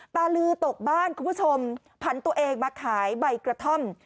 ตาลือตกบ้านคุณผู้ชมผันตัวเองมาขายใบกระท่อม